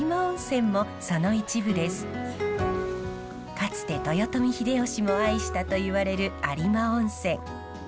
かつて豊臣秀吉も愛したといわれる有馬温泉。